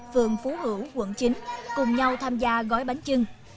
phường phú hữu quận chín cùng nhau tham gia gói bánh trưng